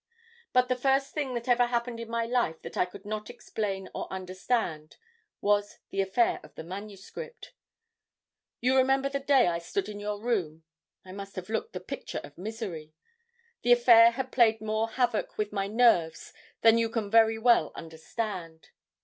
"But the first thing that ever happened in my life that I could not explain or understand was the affair of the manuscript. You remember the day I stood in your room? I must have looked the picture of misery. The affair had played more havoc with my nerves than you can very well understand.